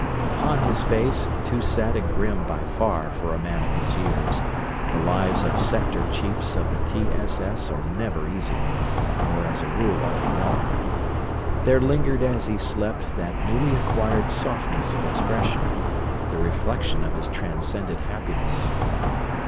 Upon his face, too set and grim by far for a man of his years the lives of Sector Chiefs of the T. S. S. are never easy, nor as a rule are they long there lingered as he slept that newly acquired softness of expression, the reflection of his transcendent happiness.